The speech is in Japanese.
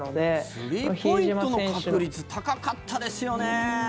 スリーポイントの確率高かったですよね！